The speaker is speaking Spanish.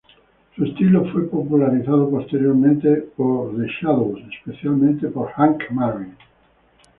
Su estilo fue popularizado posteriormente por the Shadows, especialmente por Hank Marvin.